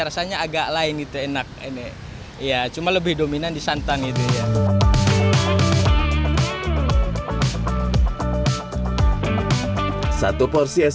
rasanya agak lain itu enak ini ya cuma lebih dominan di santan itu ya satu porsi es